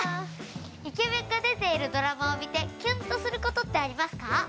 イケメンが出ているドラマを見てキュンとすることってありますか？